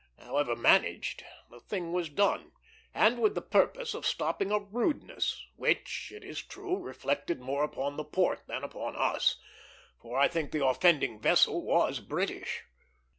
However managed, the thing was done, and with the purpose of stopping a rudeness which, it is true, reflected more upon the port than upon us, for I think the offending vessel was British.